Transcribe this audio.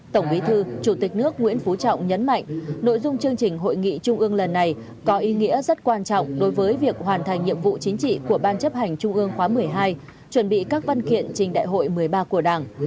tổng bí thư chủ tịch nước nguyễn phú trọng nhấn mạnh nội dung chương trình hội nghị trung ương lần này có ý nghĩa rất quan trọng đối với việc hoàn thành nhiệm vụ chính trị của ban chấp hành trung ương khóa một mươi hai chuẩn bị các văn kiện trình đại hội một mươi ba của đảng